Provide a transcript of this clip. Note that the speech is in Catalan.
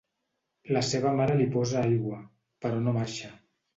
La seva mare li posa aigua, però no marxa.